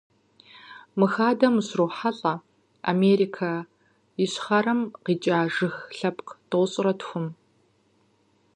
Мы хадэм ущрохьэлӀэ Америкэ Ищхъэрэм къикӀа жыг лъэпкъ тӏощӏрэ тхум.